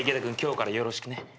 君今日からよろしくね。